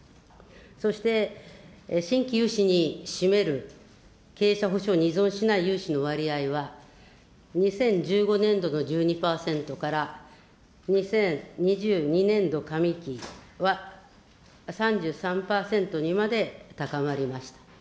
そして、新規融資に占める経営者保証に依存しない融資の割合は、２０１５年の１２％から２０２２年度上期は３３％にまで高まりました。